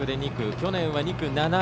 去年は２区、７位。